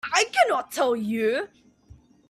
I cannot tell you.